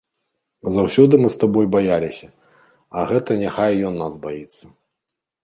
Заўсёды мы з табой яго баяліся, а гэта няхай ён нас баіцца.